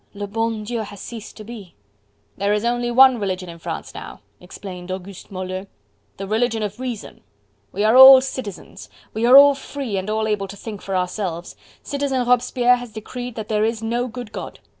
Le bon Dieu has ceased to be! "There is only one religion in France now," explained Auguste Moleux, "the religion of Reason! We are all citizens! We are all free and all able to think for ourselves. Citizen Robespierre has decreed that there is no good God.